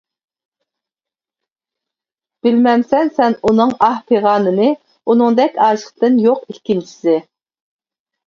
بىلمەسسەن سەن ئۇنىڭ ئاھ پىغانىنى، ئۇنىڭدەك ئاشىقتىن يوق ئىككىنچىسى.